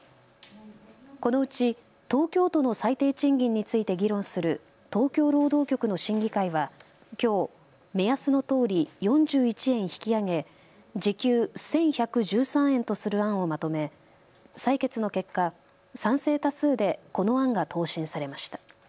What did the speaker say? このうち東京都の最低賃金について議論する東京労働局の審議会はきょう目安のとおり４１円引き上げ時給１１１３円とする案をまとめ採決の結果、賛成多数でこの案が答申されました。